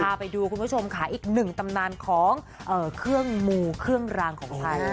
พาไปดูคุณผู้ชมค่ะอีกหนึ่งตำนานของเครื่องมูเครื่องรางของไทย